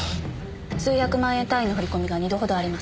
数百万円単位の振込が二度ほどあります。